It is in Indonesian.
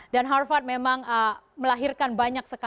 dan harvard memang melahirkan banyak sekalian